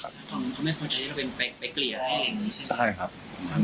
เขาไม่เข้าใจว่าเราเป็นไปเกลี่ยอะไรแบบนี้ใช่ไหมใช่ครับ